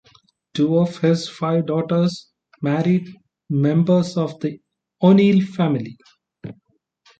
Two of his five daughters married members of the O'Neill family.